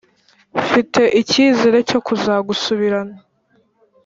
Mfite ikizere cyo kuzagusubirana